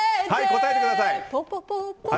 答えてください。